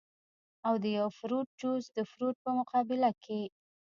او د يو فروټ جوس د فروټ پۀ مقابله کښې